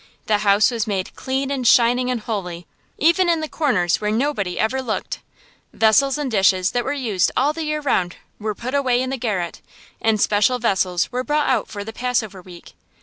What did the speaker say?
The house was made clean and shining and holy, even in the corners where nobody ever looked. Vessels and dishes that were used all the year round were put away in the garret, and special vessels were brought out for the Passover week.